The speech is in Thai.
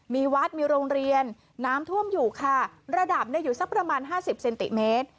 มีวัดมีโรงเรียนน้ำท่วมอยู่ค่ะระดับเนี่ยอยู่สักประมาณห้าสิบเซนติเมตร